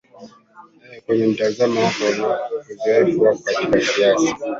ee kwa mtazamo wako na uzoefu wako katika siasa